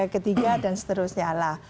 ketiga dan seterusnya lah